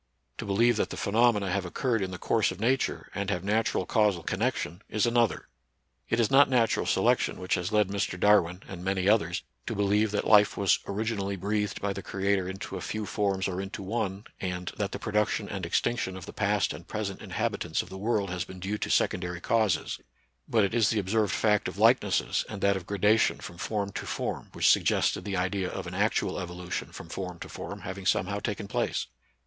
To believe that the phenomena have occurred in the course of nature, and have natural causal connection. 74 NATURAL SCIENCE AND RELIGION. is another. It is not natural selection which has led Mr. Darwin and many others to believe that life was " originally breathed by the Creator into a few forms or into one," and " that the production and extinction of the past and pres ent inhabitants of the world has been due to secondary causes ;" but it is the observed fact of likenesses and that of gradation from form to form which suggested the idea of an actual evolution from form to form having somehow taken place.